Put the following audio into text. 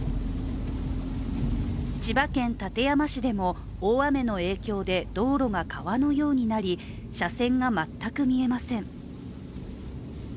千葉県館山市でも大雨の影響で道路が川のようになり車線が全く見えません。